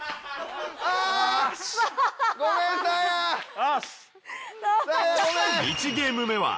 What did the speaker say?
よし！